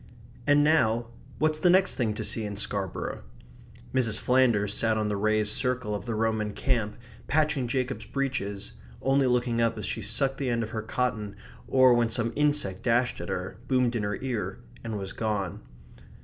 And now, what's the next thing to see in Scarborough? Mrs. Flanders sat on the raised circle of the Roman camp, patching Jacob's breeches; only looking up as she sucked the end of her cotton, or when some insect dashed at her, boomed in her ear, and was gone.